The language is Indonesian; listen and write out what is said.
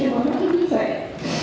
apa yang terjadi